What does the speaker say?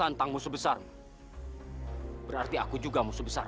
tentang musuh besar berarti aku juga musuh besar